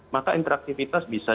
maka interaktifitas bisa